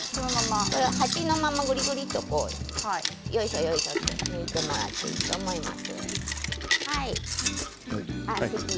鉢のまま、ぐりぐりっと入れてもらっていいと思います。